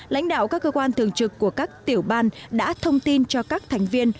lãnh đạo các cơ quan thường trực của các tiểu ban đã thông tin cho các thành viên